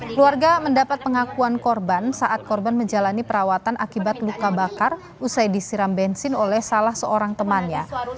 keluarga mendapat pengakuan korban saat korban menjalani perawatan akibat luka bakar usai disiram bensin oleh salah seorang temannya